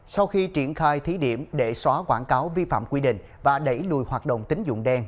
sau khi triển khai thí điểm để xóa quảng cáo vi phạm quy định và đẩy lùi hoạt động tính dụng đen